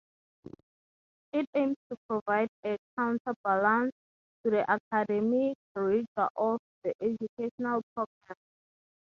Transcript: It aims to provide a 'counterbalance' to the academic rigour of the educational programme.